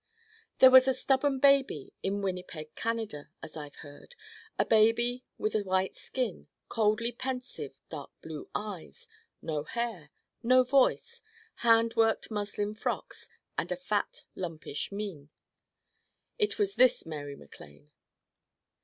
There was a stubborn baby in Winnipeg Canada, as I've heard, a baby with a white skin, coldly pensive dark blue eyes, no hair, no voice, hand worked muslin frocks and a fat lumpish mien. It was this Mary MacLane.